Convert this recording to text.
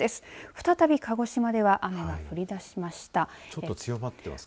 再び鹿児島では雨が降り出しました。